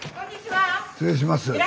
失礼します。